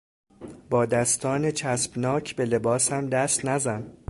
با دستان چسبناک به لباسم دست نزن!